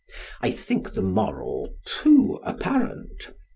I think the moral too apparent.